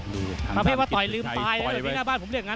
มันเพียงว่าต่อยลืมไปต่อยไป